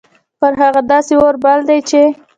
پر هغو داسي اور بل ده چې